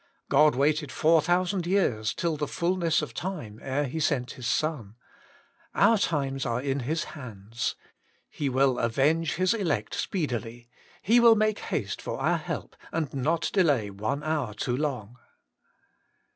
God waited four thousand years, till the fulness of time, ere He sent His Son : our times are in His hands : He will avenge His elect speedily : He will make haste for our help, and not delay one hour too long.